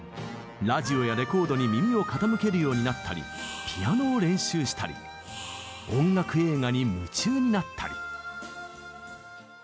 ラジオやレコードに耳を傾けるようになったりピアノを練習したり音楽映画に夢中になったり。